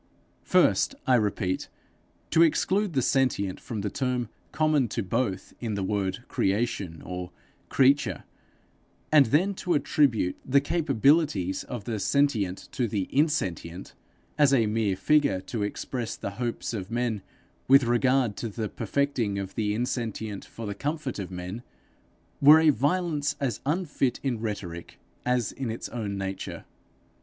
First, I repeat, to exclude the sentient from the term common to both in the word creation or creature and then to attribute the capabilities of the sentient to the insentient, as a mere figure to express the hopes of men with regard to the perfecting of the insentient for the comfort of men, were a violence as unfit in rhetoric as in its own nature.